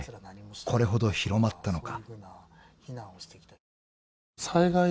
これほど広まったのか］